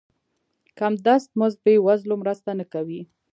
کم دست مزد بې وزلو مرسته نه کوي.